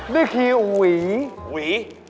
ก็คือหวีหวี